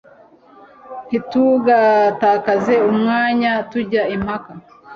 Ntitugatakaze umwanya tujya impaka